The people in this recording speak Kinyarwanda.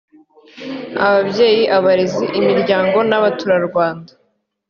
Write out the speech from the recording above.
ababyeyi abarezi imiryango n’abaturarwanda